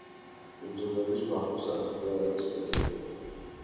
კუნძულების ბაქოს არქიპელაგის ნაწილია.